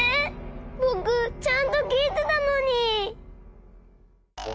ぼくちゃんときいてたのに。